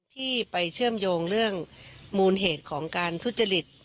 ที่ไปเชื่อมโยงเรื่องมูลเหตุของการทุจริต